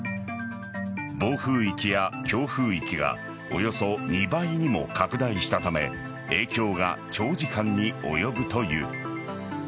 暴風域や強風域がおよそ２倍にも拡大したため影響が長時間に及ぶという。